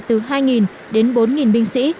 từ hai đến bốn binh sĩ